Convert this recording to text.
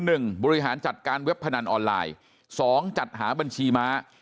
บริหารจัดการเว็บพนันออนไลน์สองจัดหาบัญชีม้า